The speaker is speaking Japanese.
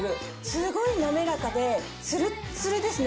すごい滑らかでツルッツルですね